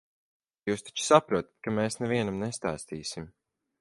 Jūs taču saprotat, ka mēs nevienam nestāstīsim.